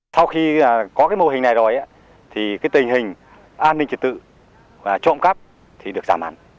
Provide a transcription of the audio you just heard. sau khi có mô hình này rồi tình hình an ninh trực tự trộm cắp được giảm hẳn